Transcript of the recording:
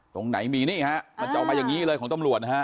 ตรงไหนมีนี่ฮะมันจะออกมาอย่างนี้เลยของตำรวจนะฮะ